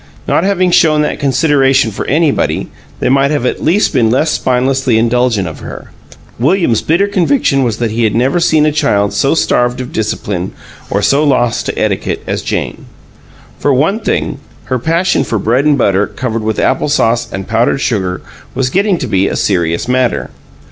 Not having shown that consideration for anybody, they might at least have been less spinelessly indulgent of her. William's bitter conviction was that he had never seen a child so starved of discipline or so lost to etiquette as Jane. For one thing, her passion for bread and butter, covered with apple sauce and powdered sugar, was getting to be a serious matter.